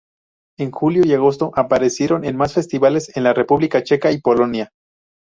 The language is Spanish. En julio y agosto aparecieron en más festivales en la República Checa y Polonia.